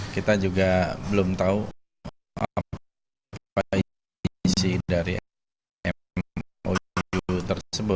kita juga belum tahu apa isi dari mou tersebut